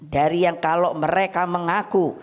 dari yang kalau mereka mengaku